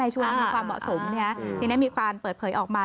นายชัวร์มีความเหมาะสมที่นี้มีความเปิดเผยออกมา